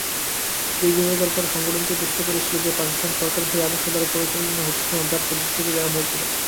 দেশবিভাগের পর সংগঠনটি বুঝতে পেরেছিল যে পাকিস্তান সরকার সেই আদর্শ দ্বারা পরিচালিত হচ্ছিল না যার প্রতিশ্রুতি দেয়া হয়েছিল।